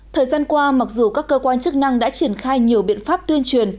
thời gian qua mặc dù các cơ quan chức năng đã triển khai nhiều biện pháp tuyên truyền